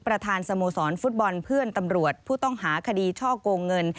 ประธานสโมสรฟุตบอลเพื่อนตำรวจผู้ต้องหาคดีช่อกงเงิน